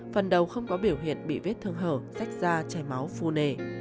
phần đầu không có biểu hiện bị vết thương hở rách da chảy máu phu nề